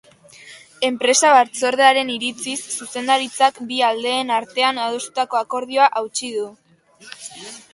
Enpresa batzordearen iritziz, zuzendaritzak bi aldeen artean adostutako akordioa hautsi du.